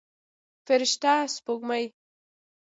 فرشته سپوږمۍ